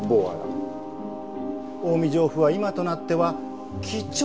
近江上布は今となっては貴重な布なんですね。